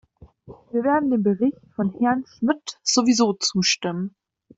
Wir werden dem Bericht von Herrn Schmitt sowieso zustimmen.